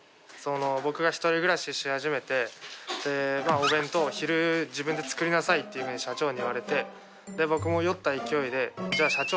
お弁当を昼自分で作りなさいっていうふうに社長に言われてで僕も酔った勢いでじゃあ社長